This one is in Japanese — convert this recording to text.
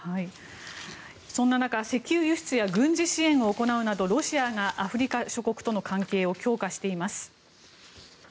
そんな中石油輸出や軍事支援を行うなどロシアがアフリカ諸国との関係を強化しています。